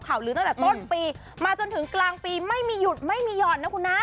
ลื้อตั้งแต่ต้นปีมาจนถึงกลางปีไม่มีหยุดไม่มีหย่อนนะคุณนะ